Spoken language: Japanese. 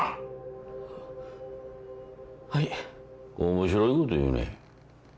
面白いこと言うね